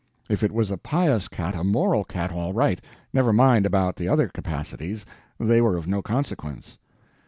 If it was a pious cat, a moral cat, all right, never mind about the other capacities, they were of no consequence.